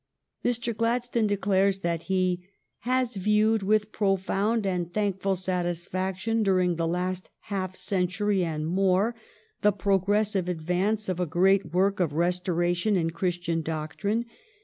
Mr. Gladstone declares that he "has viewed with profound and thankful satisfaction, during the last half century and more, the progressive advance of a great work of restoration in Christian doctrine.